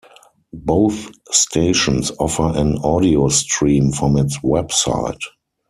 Both stations offer an audiostream from its website.